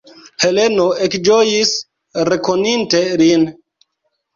Heleno ekĝojis, rekoninte lin.